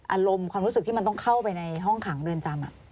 อารมณ์ความรู้สึกที่มันต้องเข้าไปในห้องขังเรือนจำ